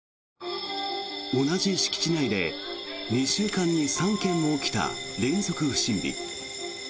同じ敷地内で２週間に３件起きた連続不審火。